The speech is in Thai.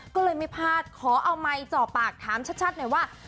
ก็เลยไม่พลาดขอเอาไมค์จ่อปากถามชัดหน่อยว่า